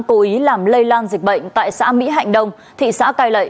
cố ý làm lây lan dịch bệnh tại xã mỹ hạnh đông thị xã cai lệ